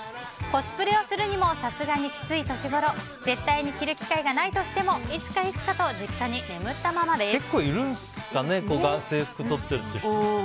コスプレをするにもさすがにきつい年頃絶対に着る機会がないとしてもいつかいつかと実家に眠ったままです。